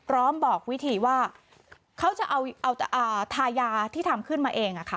ร้องบอกวิธีว่าเขาจะเอาทายาที่ทำขึ้นมาเอง